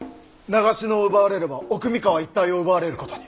長篠を奪われれば奥三河一帯を奪われることに。